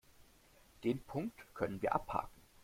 Den Punkt können wir abhaken.